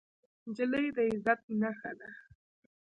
نجلۍ د عزت نښه ده.